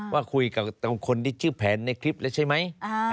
ว่าคุยกับคนที่ชื่อแผนในคลิปแล้วใช่ไหม